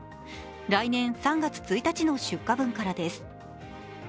来年３月１日の出荷分からです。